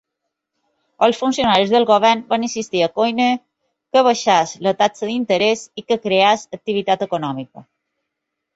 Els funcionaris del Govern van insistir a Coyne a que baixés la taxa d"interès i que creés activitat econòmica.